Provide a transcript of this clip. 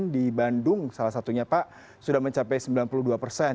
di bandung salah satunya pak sudah mencapai sembilan puluh dua persen